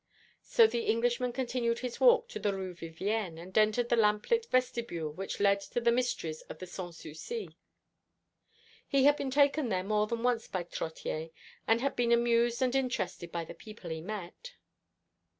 So the Englishman continued his walk to the Rue Vivienne, and entered the lamp lit vestibule which led to the mysteries of the Sans Souci. He had been taken there more than once by Trottier, and had been amused and interested by the people he met.